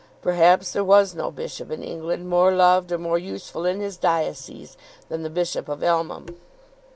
Perhaps there was no bishop in England more loved or more useful in his diocese than the Bishop of Elmham.